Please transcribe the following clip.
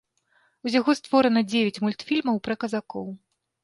Усяго створана дзевяць мультфільмаў пра казакоў.